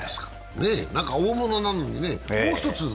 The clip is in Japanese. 大物なのにね、もう一つ活躍が。